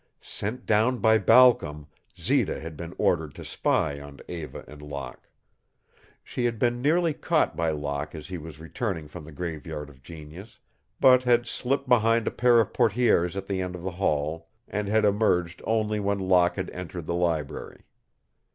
Sent down by Balcom, Zita had been ordered to spy on Eva and Locke. She had been nearly caught by Locke as he was returning from the Graveyard of Genius, but had slipped behind a pair of portières at the end of the hall and had emerged only when Locke had entered the library.